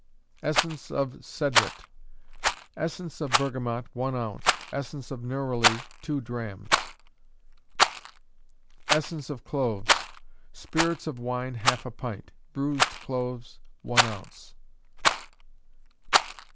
Essence of Cedrat. Essence of bergamot, one ounce; essence of neroli, two drachms. Essence of Cloves. Spirits of wine, half a pint; bruised cloves, one ounce.